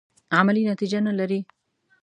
عملي نتیجه نه لري.